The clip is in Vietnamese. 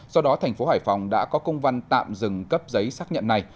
do đó thành phố hải phòng đã có công văn tạm dừng cấp giấy xác nhận này